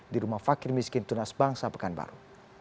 di rumah fakir miskin tunas bangsa pekanbaru